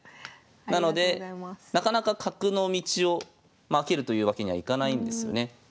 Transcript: なのでなかなか角の道を開けるというわけにはいかないんですよね。